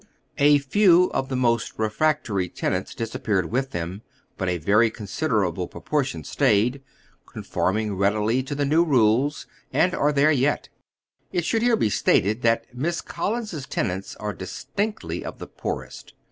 A few of the moat refractory ten ants disappeared with them, but a very considerable pro portion stayed, conforming readily to the new rules, and are there yet. It should here he stated that Miss Collins's tenants are distinctly of the poorest.